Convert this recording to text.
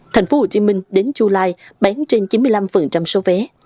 tp hcm đến chu lai bán trên chín mươi năm số vé